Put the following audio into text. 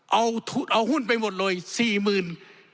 เอาหุ้นไปหมดเลย๔๙๙๙๘